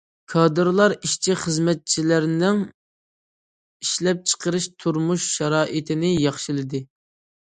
كادىرلار ئىشچى خىزمەتچىلەرنىڭ ئىشلەپچىقىرىش تۇرمۇش شارائىتىنى ياخشىلىدى.